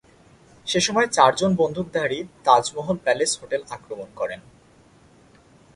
সেসময় চারজন বন্দুকধারী তাজ মহল প্যালেস হোটেল আক্রমণ করে।